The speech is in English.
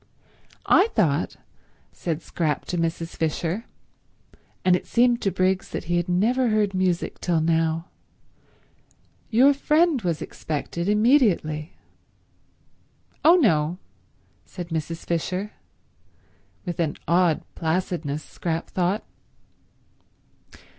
"I thought," said Scrap to Mrs. Fisher, and it seemed to Briggs that he had never heard music till now, "your friend was expected immediately." "Oh, no," said Mrs. Fisher—with an odd placidness, Scrap thought.